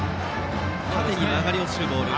縦に曲がり落ちるボール。